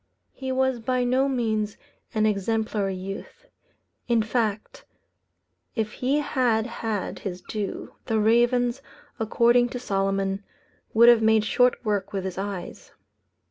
He was by no means an exemplary youth. In fact, if he had had his due, the ravens, according to Solomon, would have made short work with his eyes.